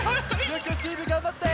ゆうくんチームがんばって！